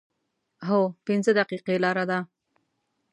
هو، پنځه دقیقې لاره ده